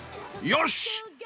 よし！